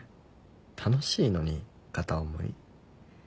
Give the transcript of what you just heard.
楽しいのに片思い。